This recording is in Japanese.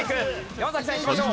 山崎さんいきましょう。